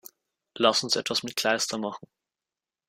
Lass uns etwas mit Kleister machen!